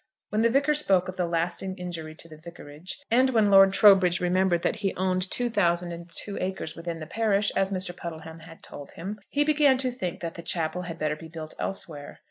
When the Vicar spoke of the lasting injury to the Vicarage, and when Lord Trowbridge remembered that he owned two thousand and two acres within the parish, as Mr. Puddleham had told him, he began to think that the chapel had better be built elsewhere.